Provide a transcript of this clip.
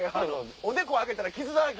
おでこ上げたら傷だらけ。